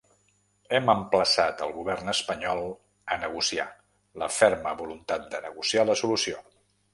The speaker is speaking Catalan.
Hem emplaçat el govern espanyol a negociar, la ferma voluntat de negociar la solució.